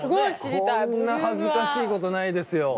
こんな恥ずかしいことないですよ。